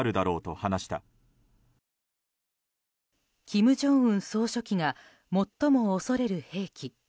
金正恩総書記が最も恐れる兵器。